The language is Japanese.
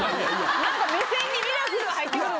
何か目線にミラクルが入ってくる。